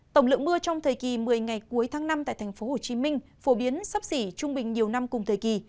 tổng lượng mưa trong thời kỳ một mươi ngày cuối tháng năm tại tp hcm phổ biến sấp xỉ trung bình nhiều năm cùng thời kỳ